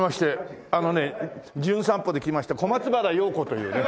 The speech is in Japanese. あのね『じゅん散歩』で来ました小松原庸子というね。